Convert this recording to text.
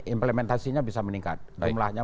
implementasinya bisa meningkat jumlahnya